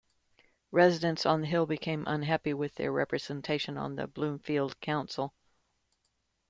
Residents "on the hill" became unhappy with their representation on the Bloomfield Council.